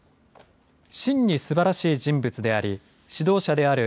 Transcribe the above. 真にすばらしい人物であり指導者である。